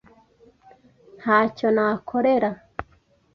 Ntacyo nakorera .